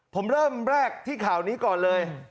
ผมเริ่มแรกที่ข่าวนี้ก่อนเลย